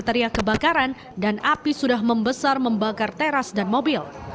teriak kebakaran dan api sudah membesar membakar teras dan mobil